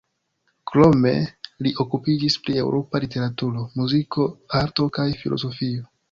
Krome li okupiĝis pri eŭropa literaturo, muziko, arto kaj filozofio.